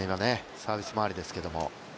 サービス周りですけど。